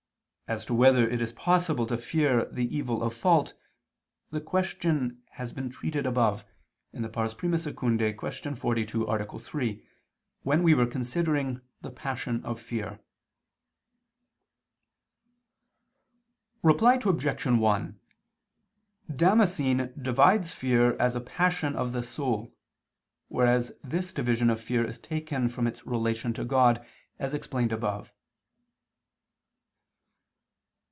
As to whether it is possible to fear the evil of fault, the question has been treated above (I II, Q. 42, A. 3) when we were considering the passion of fear. Reply Obj. 1: Damascene divides fear as a passion of the soul: whereas this division of fear is taken from its relation to God, as explained above.